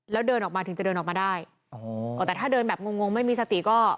แล้วเดินออกมาถึงจะเดินออกมาได้โอ้โหแต่ถ้าเดินแบบงงงไม่มีสติก็